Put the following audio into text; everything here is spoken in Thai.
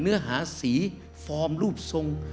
เนื้อหาสีฟอร์มรูปทรง